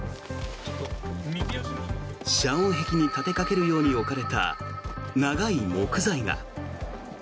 遮音壁に立てかけるように置かれた、長い木材が。